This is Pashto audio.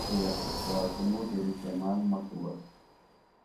د يخو څښاکونو ډېر استعمال مه کوه